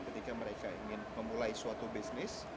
ketika mereka ingin memulai suatu bisnis